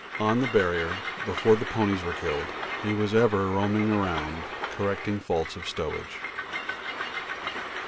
On the Barrier, before the ponies were killed, he was ever roaming round, correcting faults of stowage.